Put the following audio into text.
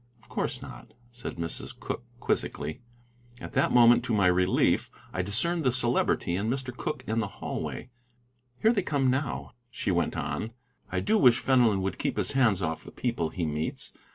"Of course not," said Mrs. Cooke, quizzically. At that moment, to my relief, I discerned the Celebrity and Mr. Cooke in the hallway. "Here they come, now," she went on. "I do wish Fenelon would keep his hands off the people he meets.